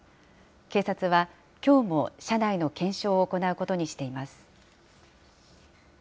警察は、きょうも車内の検証を行うことにしています。